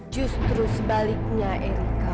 justru sebaliknya erika